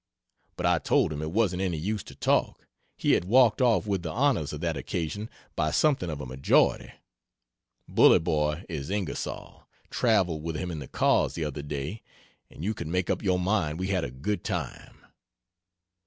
But I told him it wasn't any use to talk, he had walked off with the honors of that occasion by something of a majority. Bully boy is Ingersoll traveled with him in the cars the other day, and you can make up your mind we had a good time.